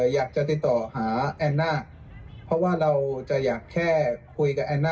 อยากจะติดต่อหาแอนน่าเพราะว่าเราจะอยากแค่คุยกับแอนน่า